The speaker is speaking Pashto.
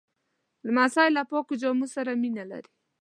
لمسی له پاکو جامو سره مینه لري.